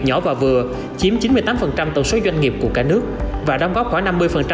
nhỏ và vừa chiếm chín mươi tám tổng số doanh nghiệp của cả nước và đóng góp khoảng năm mươi